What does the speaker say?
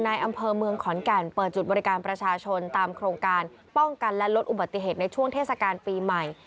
อำเภอเมืองขอนแก่นเปิดจุดบริการประชาชนตามโครงการป้องกันและลดอุบัติเหตุในช่วงเทศกาลปีใหม่